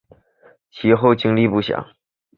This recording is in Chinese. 其后经历不详。